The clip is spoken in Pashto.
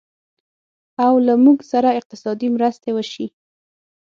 او له موږ سره اقتصادي مرستې وشي